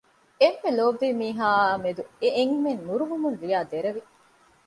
އެންމެ ލޯބިވި މީހާއާ މެދު އެ އެންމެން ނުރުހުމުން ރިޔާ ދެރަވި